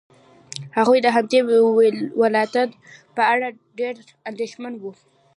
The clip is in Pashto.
هغوی د همدې ولادت په اړه ډېر اندېښمن وو.